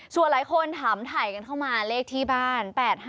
ส่วนหลายคนถามถ่ายกันเข้ามาเลขที่บ้าน๘๕